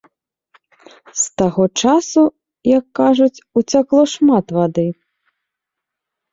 З таго часу, як кажуць, уцякло шмат вады.